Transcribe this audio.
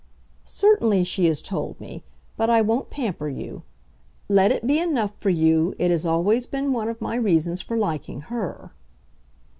"Certainly she has told me but I won't pamper you. Let it be enough for you it has always been one of my reasons for liking HER."